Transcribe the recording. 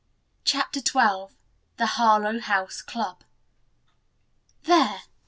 CHAPTER XII THE HARLOWE HOUSE CLUB "There!"